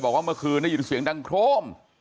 บอกว่าเมื่อคืนได้ยินเสียงดังโครม